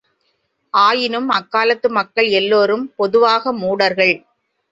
ஆயினும் அக்காலத்து மக்கள் எல்லோரும் பொதுவாக மூடர்கள்.